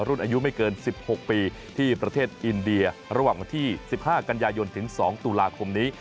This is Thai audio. รุ่นอายุไม่เกิน๑๖ปีที่ประเทศอินเดียระหว่างวันที่๑๕กันยายนถึง๒ตุลาคมนี้